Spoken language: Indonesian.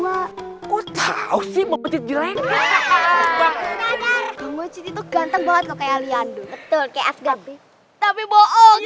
bangocit itu ganteng banget kayak liando